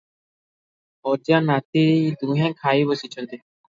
ଅଜା ନାତି ଦୁହେଁ ଖାଇ ବସିଛନ୍ତି।